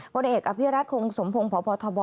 บริเหตุอภิรัตน์คงสมพงศ์พพธบ